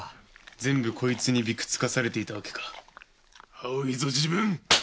全部こいつにびくつかされていたわけか青いぞ自分。